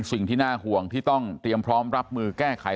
สิ่งที่น่าห่วงที่ต้องเตรียมพร้อมรับมือแก้ไข